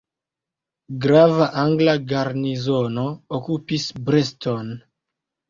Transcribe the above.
Grava angla garnizono okupis Brest-on.